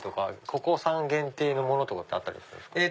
ここ産限定のものとかってあったりしますか？